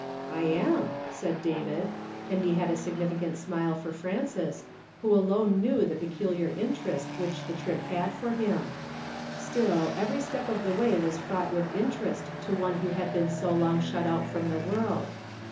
" I am," said David ; and he had a significant smile for Frances, who alone knew the peculiar interest which the trip liad for him. Still, every step of the way was fraught with interest to one who had been so long shut out from the world. i« " I WILL StSEK HIM.